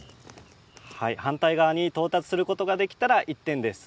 反対側に到達することができたら１点入ります。